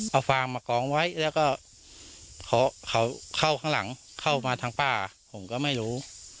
เอาฟาร์มมากองไว้แล้วก็เขาเข้าข้างหลังเข้ามาทางป้าผมก็ไม่รู้